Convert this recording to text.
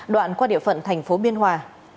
đoạn qua địa phận thành phố biên hòa